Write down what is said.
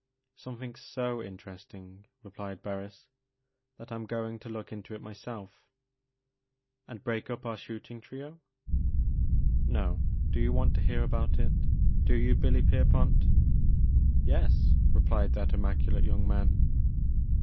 "Something so interesting," replied Barris, " that I 'm going to look into it myself "" And break up our shooting trio " "No. Do you want to hear about it? Do you Billy Pierpont? " "Yes," replied that immactdate young man.